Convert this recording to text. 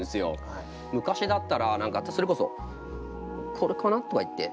昔だったら何かそれこそ「これかな」とか言って。